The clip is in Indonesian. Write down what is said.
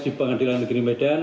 di pengadilan negeri medan